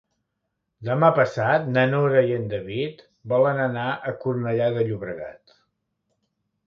Demà passat na Nora i en David volen anar a Cornellà de Llobregat.